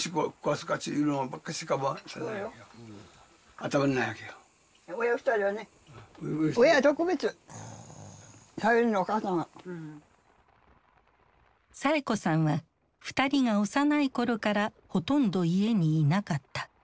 弟にサエ子さんは２人が幼い頃からほとんど家にいなかった。